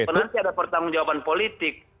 nanti ada pertanggung jawaban politik